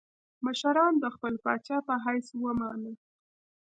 مشرانو د خپل پاچا په حیث ومانه.